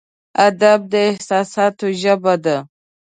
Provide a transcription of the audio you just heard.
ادب د احساساتو ژبه ده.